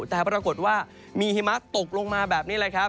แต่ปรากฏว่ามีหิมะตกลงมาแบบนี้